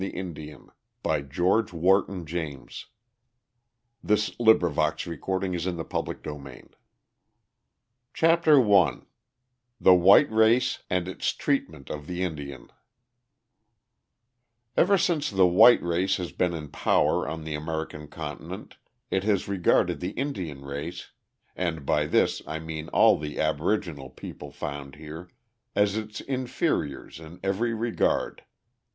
THE INDIAN AND IMMORTALITY 259 XXVII. VISITING THE INDIANS 265 XXVIII. CONCLUSION 268 CHAPTER I THE WHITE RACE AND ITS TREATMENT OF THE INDIAN Ever since the white race has been in power on the American continent it has regarded the Indian race and by this I mean all the aboriginal people found here as its inferiors in every regard.